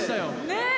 ねえ！